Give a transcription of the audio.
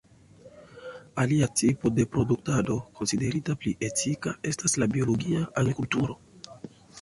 Alia tipo de produktado konsiderita pli etika estas la biologia agrikulturo.